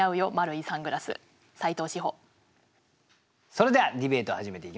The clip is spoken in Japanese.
それではディベートを始めていきましょう。